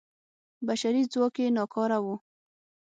بشري ځواک یې ناکاره و.